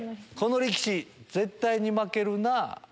この力士絶対に負けるなぁ。